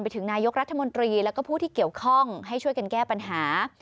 ถึงนายกรัฐมนตรีแล้วก็ผู้ที่เกี่ยวข้องให้ช่วยกันแก้ปัญหา